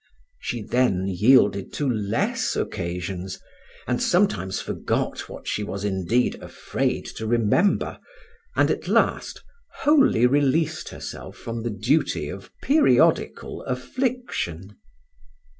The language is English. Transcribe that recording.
She then yielded to less occasions, and sometimes forgot what she was indeed afraid to remember, and at last wholly released herself from the duty of periodical affliction.